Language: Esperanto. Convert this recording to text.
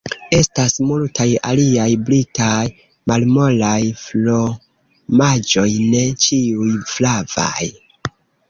Estas multaj aliaj britaj malmolaj fromaĝoj, ne ĉiuj flavaj.